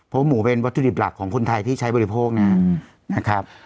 เพราะหมูเป็นวัตถุดิบหลักของคนไทยที่ใช้บริโภคนะครับ